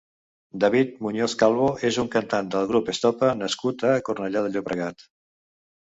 David Muñoz Calvo és un cantant del grup Estopa nascut a Cornellà de Llobregat.